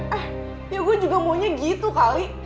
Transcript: eh yuk gue juga maunya gitu kali